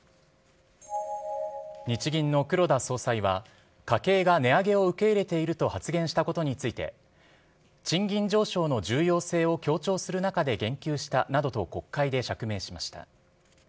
日銀の黒田総裁は、家計が値上げを受け入れていると発言したことについて、賃金上昇の重要性を強調する中で言及したなどと国会で釈明しました。